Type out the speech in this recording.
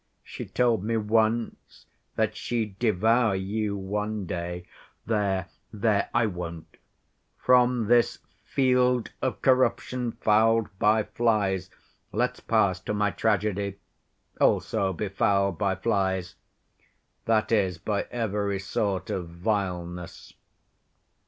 She told me once that she'd devour you one day. There, there, I won't! From this field of corruption fouled by flies, let's pass to my tragedy, also befouled by flies, that is by every sort of vileness.